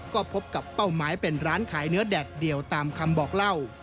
ก็พบกับเป้าหมายเป็นร้านขายเนื้อแดดเดียวตามคำบอกเล่า